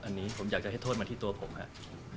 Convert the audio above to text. อันนี้ผมอยากจะให้โทษมาที่ตัวผมครับ